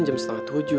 jam setengah tujuh